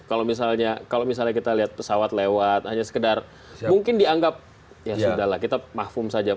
kalau misalnya kita lihat pesawat lewat hanya sekedar mungkin dianggap ya sudah lah kita mahfum saja